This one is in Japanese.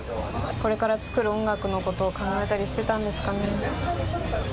これから作る音楽のことを考えたりしていたんですかね。